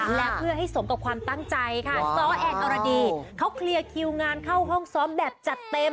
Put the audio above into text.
และเพื่อให้สมกับความตั้งใจค่ะซ้อแอนอรดีเขาเคลียร์คิวงานเข้าห้องซ้อมแบบจัดเต็ม